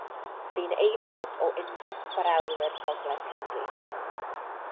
Bu'n aelod o Undeb Chwarelwyr Gogledd Cymru.